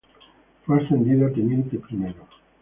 Fue ascendido a teniente primero.